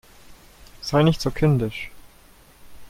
Sei nicht so kindisch!